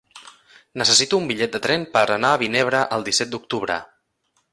Necessito un bitllet de tren per anar a Vinebre el disset d'octubre.